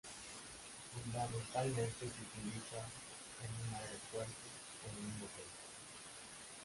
Fundamentalmente se utiliza en un aeropuerto o en un hotel